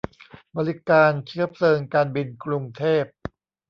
บริการเชื้อเพลิงการบินกรุงเทพ